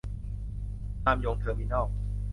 นามยง เทอร์มินัล